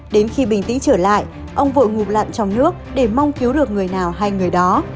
đến khi bình tĩnh trở lại ông vội ngụp lặn trong nước để mong cứu được người nào hay người đó